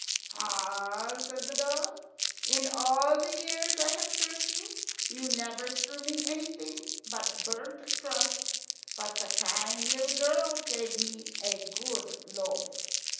"Ah!" said the dog, "in all the years I've served you, you never threw me anything but burnt crusts; but the kind little girl gave me a good loaf."